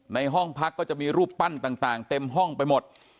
ในห้องพักก็จะมีรูปปั้นต่างเต็มห้องไปหมด